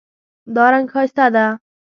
دا رنګ ښایسته ده